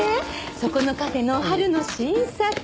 そこのカフェの春の新作！